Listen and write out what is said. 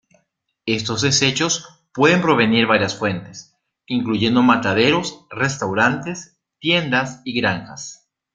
Estos deshechos pueden provenir varias fuentes, incluyendo mataderos, restaurantes, tiendas y granjas.